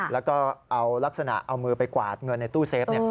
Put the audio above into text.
แล้วก็เอาลักษณะเอามือไปกวาดเงินในตู้เซฟ